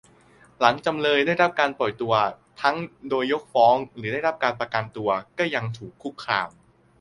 หลังจำเลยได้รับการปล่อยตัวทั้งโดยยกฟ้องหรือได้รับการประกันตัว ก็ยังถูกคุกคาม